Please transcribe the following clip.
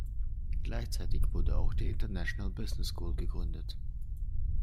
Gleichzeitig wurde auch die International Business School gegründet.